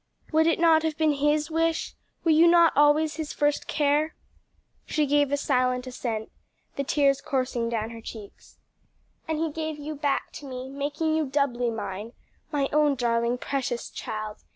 "Would it not have been his wish? were you not always his first care?" She gave a silent assent, the tears coursing down her cheeks. "And he gave you back to me, making you doubly mine my own darling, precious child!